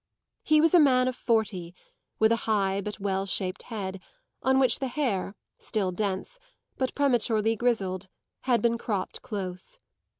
He was a man of forty, with a high but well shaped head, on which the hair, still dense, but prematurely grizzled, had been cropped close.